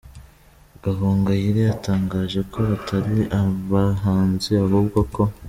Gahongayire yatangaje ko atari abahanzi ahubwo ko